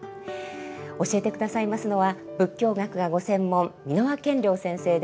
教えて下さいますのは仏教学がご専門蓑輪顕量先生です。